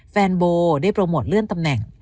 แฟนโบได้โปรโมทเลื่อนตำแหน่ง